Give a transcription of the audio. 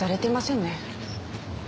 ん？